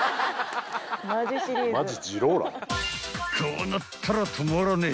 ［こうなったら止まらねえ！］